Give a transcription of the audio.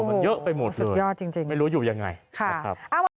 มันเยอะไปหมดสุดยอดจริงไม่รู้อยู่ยังไงนะครับ